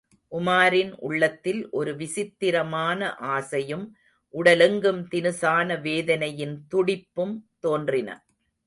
உமாரின் உள்ளத்தில் ஒரு விசித்திரமான ஆசையும் உடலெங்கும் தினுசான வேதனையின் துடிப்பும் தோன்றின.